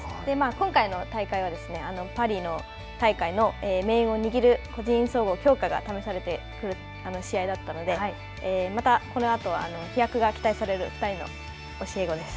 今回の大会はパリ大会の命運を握る個人総合強化が試されてくる試合だったのでまたこのあと飛躍が期待される２人の教え子です。